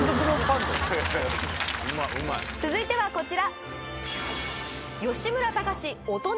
続いてはこちら。